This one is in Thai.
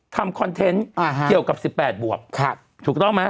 คอนเทนต์เกี่ยวกับ๑๘บวกถูกต้องไหม